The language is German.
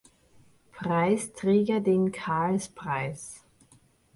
Preisträger den Karlspreis.